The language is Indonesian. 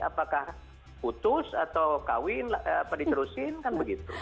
apakah putus atau kawin apa dicerusin kan begitu